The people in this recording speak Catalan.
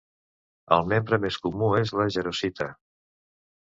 El membre més comú és la jarosita.